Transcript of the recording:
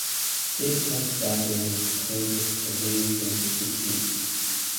They pledged that they would quit if the wage rates decreased.